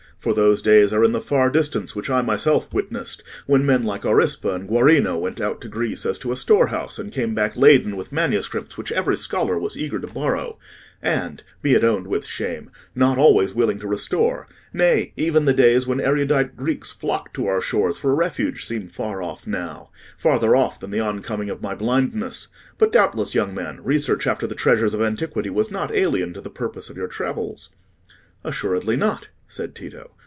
For those days are in the far distance which I myself witnessed, when men like Aurispa and Guarino went out to Greece as to a storehouse, and came back laden with manuscripts which every scholar was eager to borrow—and, be it owned with shame, not always willing to restore; nay, even the days when erudite Greeks flocked to our shores for a refuge, seem far off now—farther off than the on coming of my blindness. But doubtless, young man, research after the treasures of antiquity was not alien to the purpose of your travels?" "Assuredly not," said Tito.